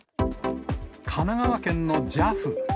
神奈川県のＪＡＦ。